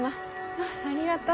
あぁありがとう。